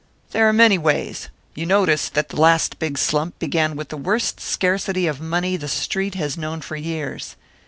"There are many ways. You noticed that the last big slump began with the worst scarcity of money the Street has known for years.